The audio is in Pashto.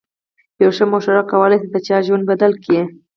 یوه ښه مشوره کولای شي د چا ژوند بدل کړي.